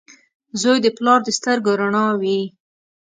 • زوی د پلار د سترګو رڼا وي.